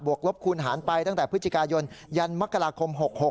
ลบคูณหารไปตั้งแต่พฤศจิกายนยันมกราคม๖๖